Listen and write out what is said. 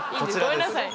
ごめんなさい。